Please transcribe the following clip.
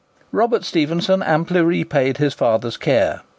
Robert Stephenson amply repaid his father's care.